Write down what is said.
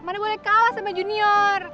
mana boleh kalah sama junior